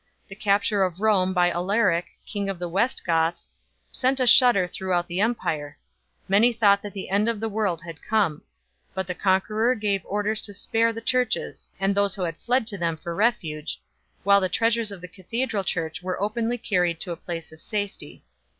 The capture of Rome by Alaric, king of the West Goths, sent a shudder throughout the empire ; many thought that the end of the world had come ; but the conqueror gave orders to spare the churches and those who had fled to them for refuge, while the treasures of the cathedral church were openly carried to a place of safety.